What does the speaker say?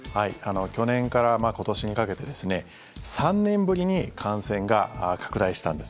去年から今年にかけて３年ぶりに感染が拡大したんです。